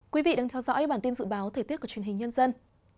quý vị đang theo dõi bản tin dự báo thời tiết của truyền hình nhân dân